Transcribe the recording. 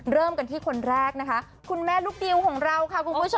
เริ่มกันที่คนแรกนะคะคุณแม่ลูกดิวของเราค่ะคุณผู้ชม